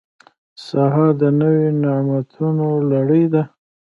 سهار د نوي نعمتونو لړۍ ده.